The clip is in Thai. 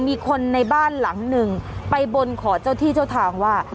มีคนในบ้านหลังหนึ่งไปบนขอเจ้าที่เจ้าทางว่า